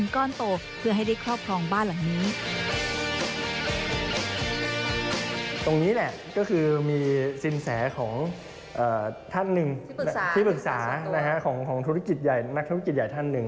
ก็คือมีสินแสของที่ปรึกษาของนักธุรกิจใหญ่ท่านหนึ่ง